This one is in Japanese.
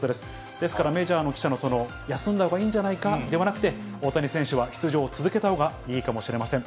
ですからメジャーの記者の、休んだほうがいいんじゃないかではなくて、大谷選手は出場を続けたほうがいいかもしれません。